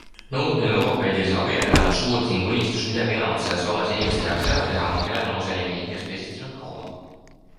Nõudmine logopeedilise abi järele on suur ning unistus midagi enamat selles vallas inimeste heaks ära teha, on Helena Oselini hinges pesitsenud kaua.